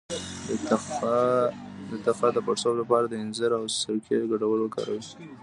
د تخه د پړسوب لپاره د انځر او سرکې ګډول وکاروئ